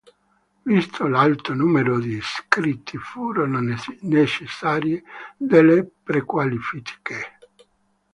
Visto l'alto numero di iscritti furono necessarie delle prequalifiche.